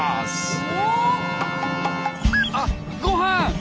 あっごはん！